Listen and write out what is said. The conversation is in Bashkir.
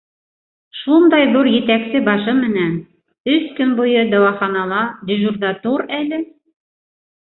Шундай ҙур етәксе башы менән... өс көн буйы дауаханала дежурҙа тор әле!